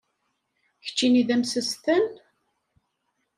Keččini d amsestan?